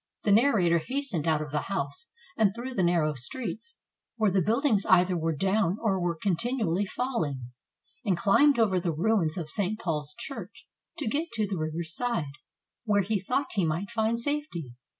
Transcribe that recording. [The narrator hastened out of the house and through the narrow streets, where the buildings either were down or were continually falling, and climbed over the ruins of St. Paul's Church to get to the river's side, where he thought he might find safety.